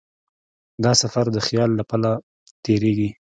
دا سفر د خیال له پله تېرېږي.